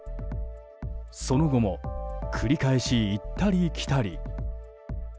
その後も繰り返し行ったり来たり。